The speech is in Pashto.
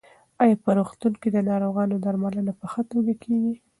ایا په روغتون کې د ناروغانو درملنه په ښه توګه کېږي؟